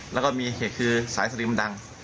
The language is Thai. แล้วก็เหตุคือไม่หันสติกดั่ง